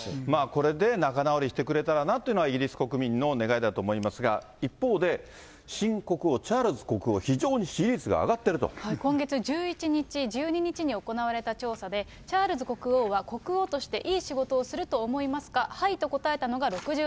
これで仲直りしてくれたらなというのが、イギリス国民の願いだと思いますが、一方で、新国王、チャールズ国王、非常に支持率が今月１１日、１２日に行われた調査で、チャールズ国王は、国王としていい仕事をすると思いますか、はいと答えたのが６３％。